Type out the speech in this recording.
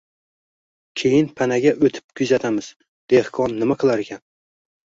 Keyin panaga oʻtib kuzatamiz, dehqon nima qilarkan